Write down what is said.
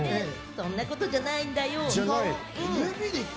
そんなことじゃないんだよ。